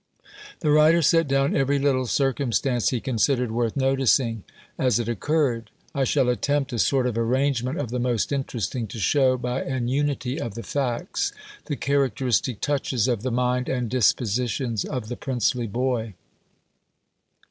The writer set down every little circumstance he considered worth noticing, as it occurred. I shall attempt a sort of arrangement of the most interesting, to show, by an unity of the facts, the characteristic touches of the mind and dispositions of the princely boy.